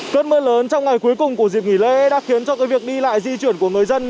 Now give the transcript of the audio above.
cơn mưa lớn trong ngày cuối cùng của dịp nghỉ lễ đã khiến cho việc đi lại di chuyển của người dân